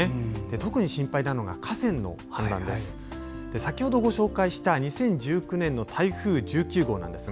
特に心配なのが河川の氾濫です。